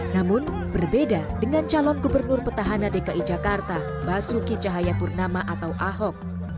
namun berbeda dengan calon gubernur petahana dki jakarta basuki cahayapurnama atau ahok